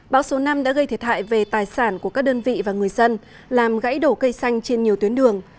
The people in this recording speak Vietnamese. bão số năm đã gây thiệt hại về tài sản của các đơn vị và người dân làm gãy đổ cây xanh trên nhiều tuyến đường